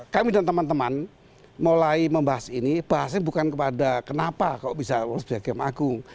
kami dan teman teman mulai membahas ini bahasnya bukan kepada kenapa kok bisa sebagai hakim agung